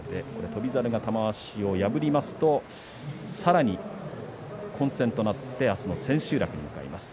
翔猿が玉鷲を破りますとさらに混戦となって明日の千秋楽を迎えます。